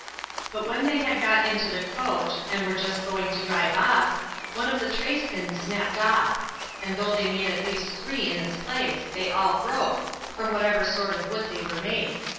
But when they had got into the coach, and were just going to drive off, one of the trace pins snapped off; and though they made at least three in its place, they all broke, from whatever sort of wood they were made.